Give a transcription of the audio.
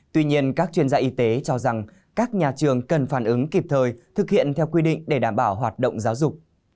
tuy nhiên các chuyên gia y tế cho rằng các nhà trường cần phản ứng kịp thời thực hiện theo quy định để đảm bảo hoạt động giáo dục